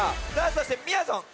そしてみやぞん